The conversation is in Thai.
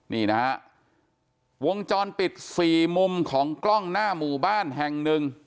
นี่นะฮะวงจรปิดสี่มุมของกล้องหน้าหมู่บ้านแห่งหนึ่ง